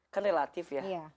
kan relatif ya